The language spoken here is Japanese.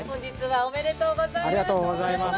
◆ありがとうございます。